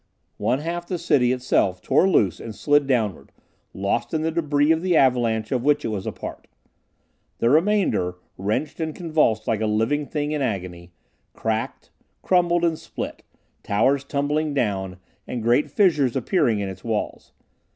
One half the city itself tore loose and slid downward, lost in the debris of the avalanche of which it was a part. The remainder, wrenched and convulsed like a living thing in agony, cracked, crumbled and split, towers tumbling down and great fissures appearing in its walls.